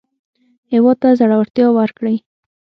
هېواد ته زړورتیا ورکړئ